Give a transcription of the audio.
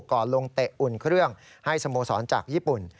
ลงเตะอุ่นเครื่องให้สโมสรจากญี่ปุ่น